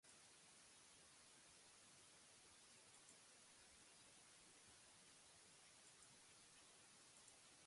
Bere ustez, elkarren arteko menpekotasuna izango da.